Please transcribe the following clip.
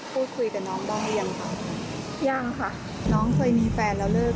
จบไปคือกับแฟนหรือว่าเห็นว่ากับแฟนใหม่